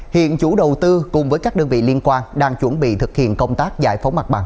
hiện chủ đầu tư cùng với các đơn vị liên quan đang chuẩn bị thực hiện công tác giải phóng mặt bằng